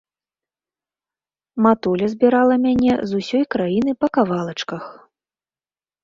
Матуля збірала мяне з усёй краіны па кавалачках.